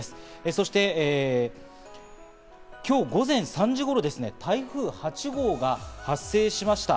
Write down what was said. そして今日午前３時頃ですね、台風８号が発生しました。